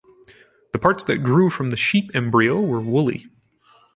The parts that grew from the sheep embryo were woolly.